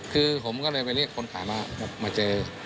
คือผมก็เลยไปเรียกคนขายมาเจอ